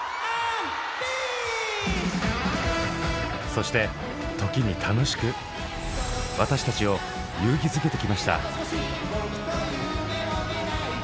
そして時に楽しく私たちを勇気づけてきました。